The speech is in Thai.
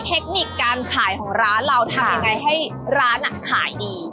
เทคนิคการขายของร้านเราทำยังไงให้ร้านขายดี